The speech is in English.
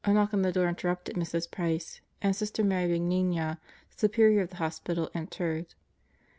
" A knock on the door interrupted Mrs. Price and Sister Mary Benigna, Superior of the hospital, entered.